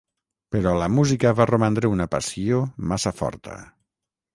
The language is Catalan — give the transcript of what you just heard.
Però la música va romandre una passió massa forta.